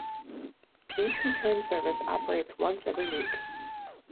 Each return service operates once every week.